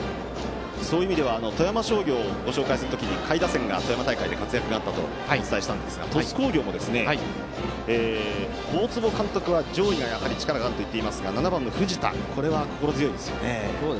富山商業をご紹介する時に下位打線が富山大会で活躍があったとお伝えしたんですが鳥栖工業も、大坪監督は上位がやはり力があると言っていますが７番の藤田は心強いですね。